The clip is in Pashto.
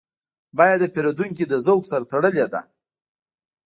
بیه د پیرودونکي له ذوق سره تړلې ده.